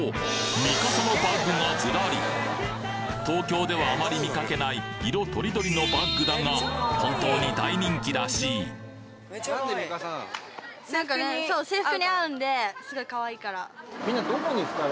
ミカサのバッグがずらり東京ではあまり見かけない色とりどりのバッグだが本当に大人気らしいどれどれ？